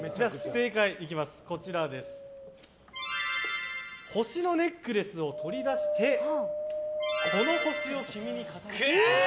正解は星のネックレスを取り出してこの星を君に飾り付けていい？